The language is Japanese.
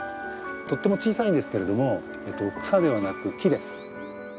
とっても小さいんですけれども草ではなく木です。